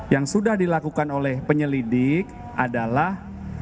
yang sudah dilakukan oleh penyelidik adalah